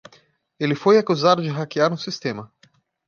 Ele foi acusado de hackear um sistema.